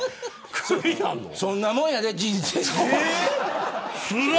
そんなもんやで、人生は。